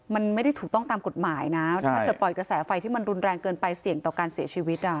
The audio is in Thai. มันไม่ได้ถูกต้องตามกฎหมายนะถ้าเกิดปล่อยกระแสไฟที่มันรุนแรงเกินไปเสี่ยงต่อการเสียชีวิต